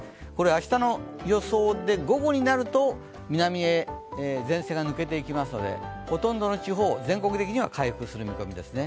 明日の予想で午後になると南へ前線が抜けていきますのでほとんどの地方、全国的には回復する見込みですね。